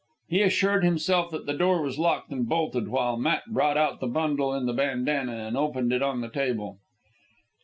He assured himself that the door was locked and bolted, while Matt brought out the bundle in the bandanna and opened it on the table.